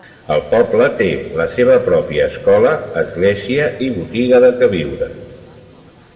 El poble té la seva pròpia escola, església i botiga de queviures.